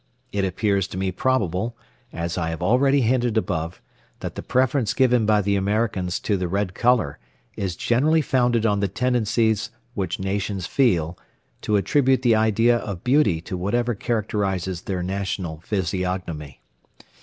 It appears to me probable, as I have already hinted above, that the preference given by the Americans to the red colour is generally founded on the tendency which nations feel to attribute the idea of beauty to whatever characterises their national physiognomy.